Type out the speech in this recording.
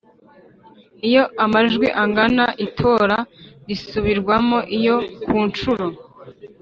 Iyo amajwi angana itora risubirwamo Iyo ku nshuro